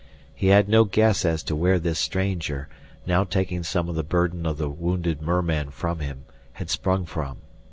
He had no guess as to where this stranger, now taking some of the burden of the wounded merman from him, had sprung from.